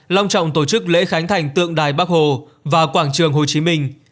long trọng tổ chức lễ khánh thành tượng đài bắc hồ và quảng trường hồ chí minh